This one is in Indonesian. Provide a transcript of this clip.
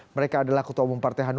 mereka adalah ketua umum partai hanu